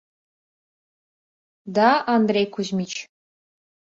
— Да, Андрей Кузьмич...